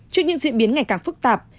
trước những diễn biến ngày càng phức tạp